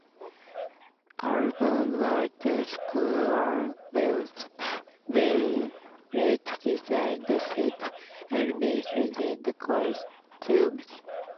Albarn wrote the score whilst Hewlett designed the set, animations and costumes.